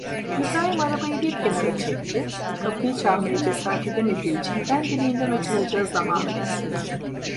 İbrahim arabayı bir kenara çekti, kapıyı çalmaya cesaret edemediği için, kendiliğinden açılacağı zamanı bekledi.